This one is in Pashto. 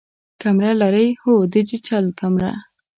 کمره لرئ؟ هو، ډیجیټل کمره